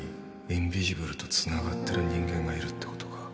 インビジブルとつながってる人間がいるってことか